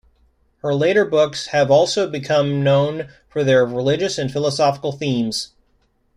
Her later books have also become known for their religious and philosophical themes.